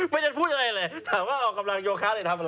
ไม่ได้พูดอะไรเลยถามว่าเอากำลังโยคะไปทำอะไร